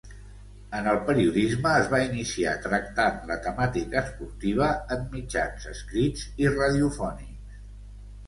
En el periodisme es va iniciar tractant la temàtica esportiva, en mitjans escrits i radiofònics.